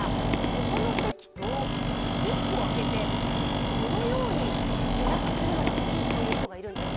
ここの席と、１個空けて、このように予約するのが好きという人がいるんです。